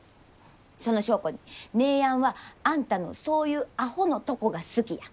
その証拠に姉やんはあんたのそういうアホのとこが好きや。